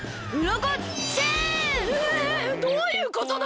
えどういうことだ！？